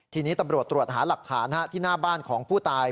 ทีนี้ตำรวจตรวจหาหลักฐานที่หน้าบ้านของผู้ตาย